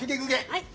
はい。